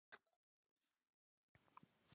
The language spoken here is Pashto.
ابدالي په خپل هیواد کې په اداري کارونو لګیا وو.